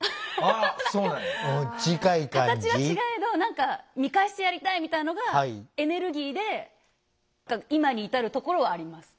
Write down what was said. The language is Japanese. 形は違えど何か見返してやりたいみたいのがエネルギーで今に至るところはあります。